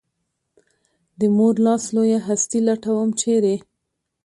د مور لاس لویه هستي لټوم ، چېرې؟